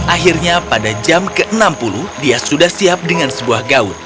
akhirnya pada jam ke enam puluh dia sudah siap dengan sebuah gaun